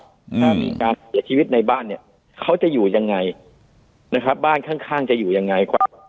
ถ้ามีการเสียชีวิตในบ้านเนี่ยเขาจะอยู่ยังไงนะครับบ้านข้างจะอยู่ยังไง